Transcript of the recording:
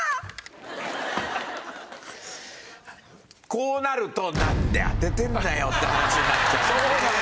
こうなると「なんで当ててんだよ」って話になっちゃうよね。